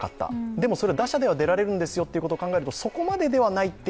でも、打者で出られるんですよってことを考えると、そこまでではないと？